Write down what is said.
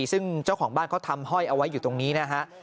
ซึ่งเจ้าของบ้านเขาทำห้อยเอาไว้อยู่ตรงนี้นะฮะ